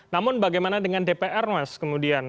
namun bagaimana dengan dpr mas kemudian